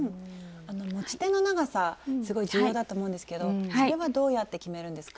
持ち手の長さすごい重要だと思うんですけどそれはどうやって決めるんですか？